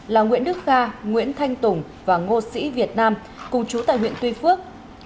là nguyễn đức kha nguyễn thanh tùng và ngô sĩ việt nam cùng chú tại huyện tuy phước